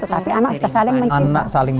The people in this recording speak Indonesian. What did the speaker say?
jadi anak tersaling mencintai